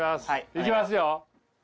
いきますよ。